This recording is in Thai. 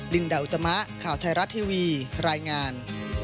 ลินดาอุตมะข่าวไทยรัฐทีวีรายงาน